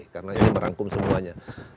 karena ini merangkum semuanya